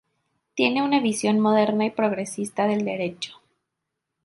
Tiene una visión moderna y progresista del derecho.